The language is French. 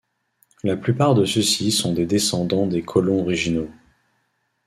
La plupart de ceux-ci sont des descendants des colons originaux.